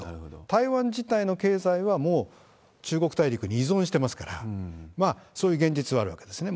台湾自体の経済はもう中国大陸に依存してますから、そういう現実はあるわけですね。